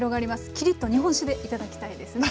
キリッと日本酒でいただきたいですね。